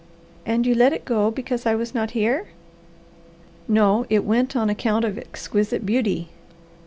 "And you let it go because I was not here?" "No. It went on account of exquisite beauty.